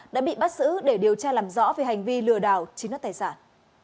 đã bị bắt xử để điều tra làm rõ về hành vi lừa đảo chính đoạt tài sản